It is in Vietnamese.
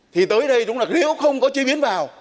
thì tới đây chúng ta